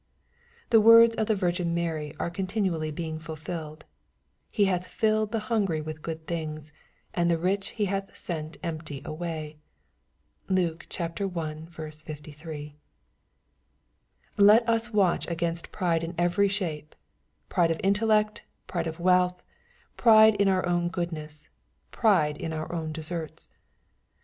The words of the Virgin Mary are continually being fulfilled, " He hath fiilled the hungry with good things, and the rich he hath sent empty away." (Luke i. 53.) Let us watch against pride in every shape — pride of intellect, pride of wealth, pride in our own goodness, pride in our own deserts.